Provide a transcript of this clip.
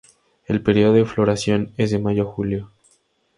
El periodo de floración es de mayo a julio.